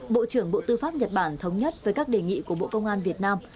bộ trưởng bộ tư pháp nhật bản thống nhất với các đề nghị của bộ công an việt nam